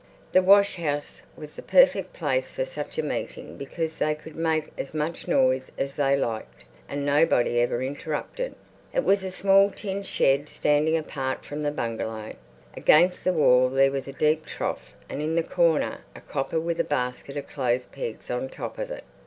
The washhouse was the perfect place for such a meeting because they could make as much noise as they liked, and nobody ever interrupted. It was a small tin shed standing apart from the bungalow. Against the wall there was a deep trough and in the corner a copper with a basket of clothes pegs on top of it.